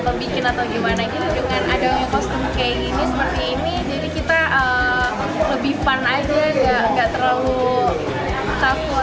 jadi dengan ada kostum seperti ini jadi kita lebih fun saja tidak terlalu takut